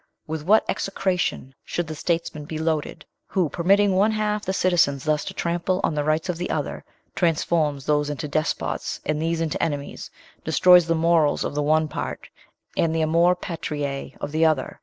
With what execration should the statesman be loaded who, permitting one half the citizens thus to trample on the rights of the other, transforms those into despots and these into enemies, destroys the morals of the one part, and the amor patriae of the other!